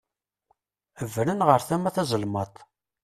Bren ɣer tama taẓelmaṭ.